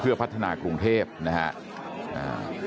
ไปพบผู้ราชการกรุงเทพมหานครอาจารย์ชาติชาติชาติชาติชาติชาติฝิทธิพันธ์นะครับ